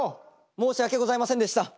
申し訳ございませんでした！